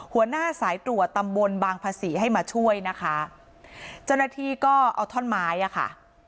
หัวหน้าสายตรวจตำบลบางภาษีให้มาช่วยนะคะเจ้าหน้าที่ก็เอาท่อนไม้อ่ะค่ะ